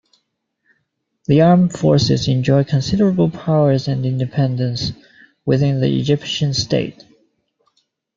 The Armed Forces enjoy considerable power and independence within the Egyptian state.